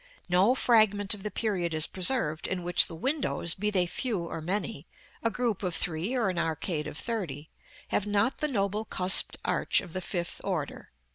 No fragment of the period is preserved, in which the windows, be they few or many, a group of three or an arcade of thirty, have not the noble cusped arch of the fifth order.